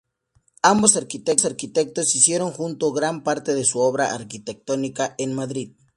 Ambos arquitectos hicieron juntos gran parte de su obra arquitectónica en Madrid.